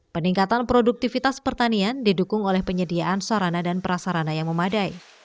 peningkatan produktivitas pertanian didukung oleh penyediaan sarana dan prasarana yang memadai